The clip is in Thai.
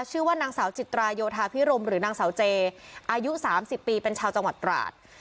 ชื่อว่านางสาวจิตราโยธาพิรมหรือนางสาวเจอายุ๓๐ปีเป็นชาวจังหวัดตราด